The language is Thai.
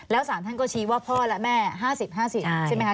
แล้วสารท่านก็ชี้ว่าพ่อและแม่๕๐๕๐ใช่ไหมคะ